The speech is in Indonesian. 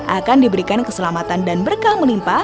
akan diberikan keselamatan dan berkah melimpa